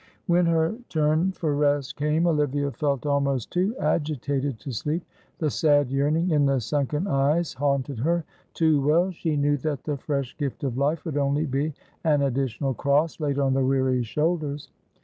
When her turn for rest came, Olivia felt almost too agitated to sleep; the sad yearning in the sunken eyes haunted her; too well she knew that the fresh gift of life would only be an additional cross laid on the weary shoulders.